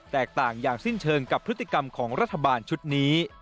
แตกต่างอย่างสิ้นเชิงกับพฤติกรรมของรัฐบาลชุดนี้